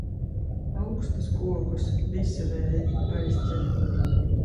Augstus kokus visi vēji aizķer.